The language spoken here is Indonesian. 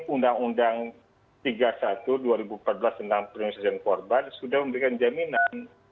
undang undang tiga puluh satu dua ribu empat belas tentang perlindungan sosial dan korban sudah memberikan jaminan